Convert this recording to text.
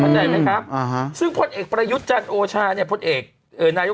เข้าใจไหมครับอืมซึ่งพดเอกประยุตจันโอชาเนี่ยพดเอกเอ่อนายก